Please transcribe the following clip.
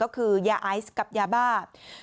ก็คือยาไอซ์กับยาบ้า